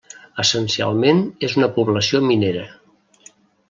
Essencialment és una població minera.